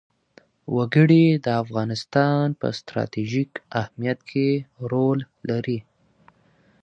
وګړي د افغانستان په ستراتیژیک اهمیت کې رول لري.